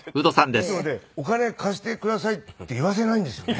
ですので「お金貸してください」って言わせないんですよね。